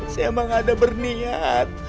saya emang ada berniat